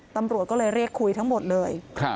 ตำรวจก็เลยเรียกคุยทั้งหมดเลย